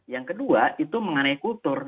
yang kedua itu mengenai kultur